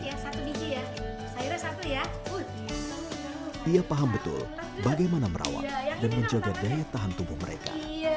dia paham betul bagaimana merawat dan menjaga daya tahan tubuh mereka